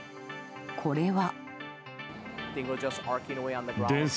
これは。